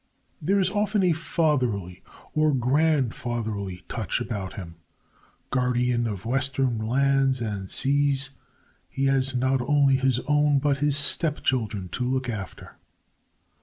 There is often a fatherly or grandfatherly touch about him; guardian of western lands and seas, he has not only his own but his step children to look after.